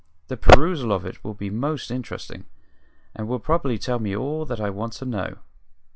The perusal of it will be most interesting and will probably tell me all that I want to know."